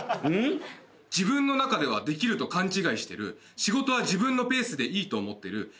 「自分の中ではできると勘違いしてる」「仕事は自分のペースでいいと思ってる」